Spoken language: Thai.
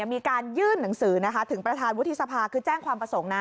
มีการยื่นหนังสือนะคะถึงประธานวุฒิสภาคือแจ้งความประสงค์นะ